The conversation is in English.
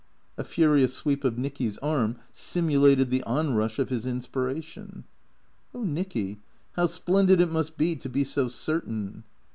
A furious sweep of Nicky's arm simulated the onrush of his inspiration. " Oh, Nicky, how splendid it must be to be so certain."